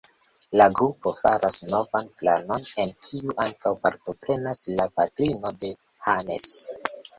La grupo faras novan planon, en kiu ankaŭ partoprenas la patrino de Hannes.